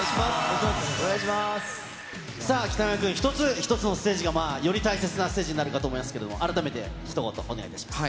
さあ、北山君、一つ一つのステージがより大切なステージになるかと思いますけれども、改めてひと言、お願いいたします。